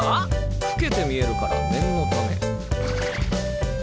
老けて見えるから念のため。